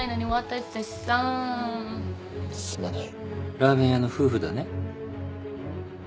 ラーメン屋の夫婦だね？